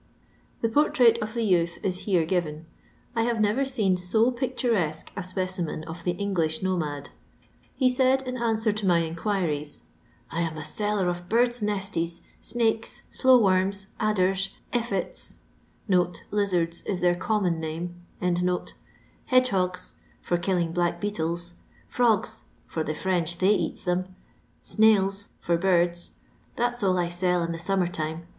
The portrait of the youth is here given. I have never seen so picturesque a specimen of the Knglish nomade. He said, in answer to my inquiries :— "I am a seller of birds' nesties, snakes, slow worms, adders, 'effets' — lizards is their common name — hedgehogs (for killing black beetles) ; frogs (for the French — they eata 'em) ; snails (for birds) ; that's all I sell in the summer time.